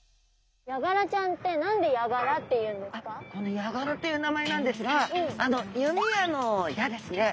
ヤガラという名前なんですが弓矢の「矢」ですね。